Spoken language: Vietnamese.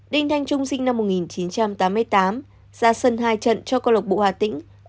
đinh thanh trung sinh năm một nghìn chín trăm tám mươi tám ra sân hai trận cho câu lạc bộ hà tĩnh